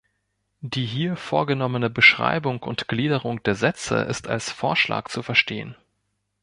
Die hier vorgenommene Beschreibung und Gliederung der Sätze ist als Vorschlag zu verstehen.